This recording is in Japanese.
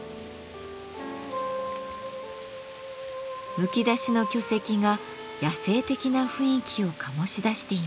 むき出しの巨石が野性的な雰囲気を醸し出しています。